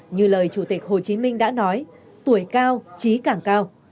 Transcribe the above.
như lời chủ tịch hồ chí minh đã nói tuổi cao trí càng cao